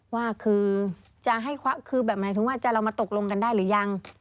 ว่าคือจะให้คือแบบหมายถึงว่าจะเรามาตกลงกันได้หรือยัง